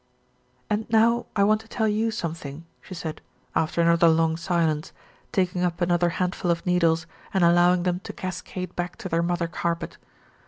"And now I want to tell you something," she said, after another long silence, taking up another handful of needles and allowing them to cascade back to their mother carpet.